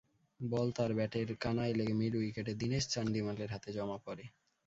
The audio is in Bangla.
বল তাঁর ব্যাটের কানায় লেগে মিড উইকেটে দিনেশ চান্ডিমালের হাতে জমা পড়ে।